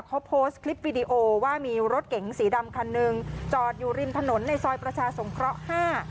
เขาโพสต์คลิปวิดีโอว่ามีรถเก๋งสีดำคันหนึ่งจอดอยู่ริมถนนในซอยประชาสงเคราะห์ห้า